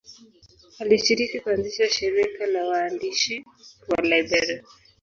Alishiriki kuanzisha shirika la waandishi wa Liberia.